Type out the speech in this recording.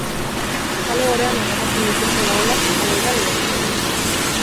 Kale gorrian harrapatzen dituzten lagunak izango dira lehiakideak.